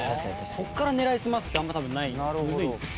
ここから狙い澄ますってあんまり多分ないむずいんですよ。